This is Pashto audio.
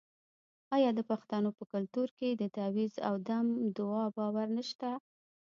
آیا د پښتنو په کلتور کې د تعویذ او دم دعا باور نشته؟